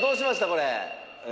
これ。